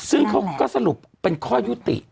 ซึ่งเขาก็สรุปเป็นข้อยุติ